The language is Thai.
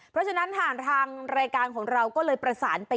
เพราะฉะนั้นผ่านทางรายการของเราก็เลยประสานไป